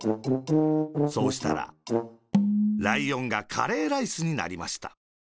そうしたら、ライオンがカレーライスになりました。